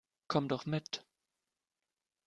Komm doch mit!